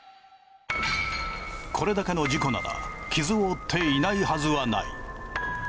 これだけの事故なら傷を負っていないはずはない。